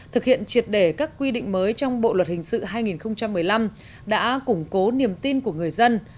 thực hiện triệt để các quy định mới trong bộ luật hình sự hai nghìn một mươi năm đã củng cố niềm tin của người dân